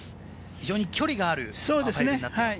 非常に距離があるパー５になっています。